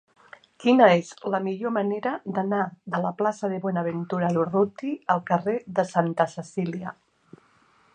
Quina és la millor manera d'anar de la plaça de Buenaventura Durruti al carrer de Santa Cecília?